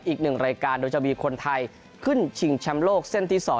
อีกหนึ่งรายการโดยจะมีคนไทยขึ้น่องฉิงชำโลกเส้นที่สอง